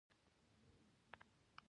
زه کومې جملې اضافه کولی شم